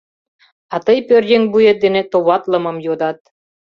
А тый пӧръеҥ вует дене товатлымым йодат.